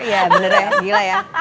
iya bener ya gila ya